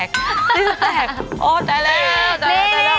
นี่จะแตกโอ้แต่แล้วแต่แล้วแต่แล้ว